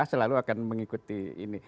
selalu akan mengikuti ini